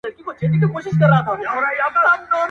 ائینه زړونه درواغ وایي چي نه مرو